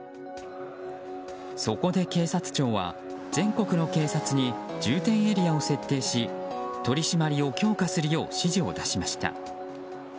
そこで警察庁は全国の警察に重点エリアを設定し取り締まりを強化するよう指示を出しました。